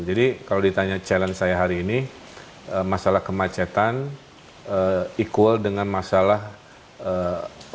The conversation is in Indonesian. jadi kalau ditanya challenge saya hari ini masalah kemacetan equal dengan masalah affordability nya